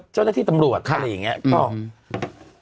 เจ้าหน้าที่ตำรวจอะไรอย่างนี้ก็